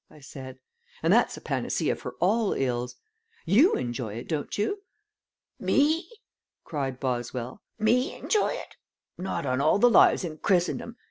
I said; "and that's a panacea for all ills. YOU enjoy it, don't you?" "Me?" cried Boswell. "Me enjoy it? Not on all the lives in Christendom.